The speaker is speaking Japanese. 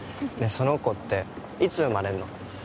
その子っていつ生まれるの？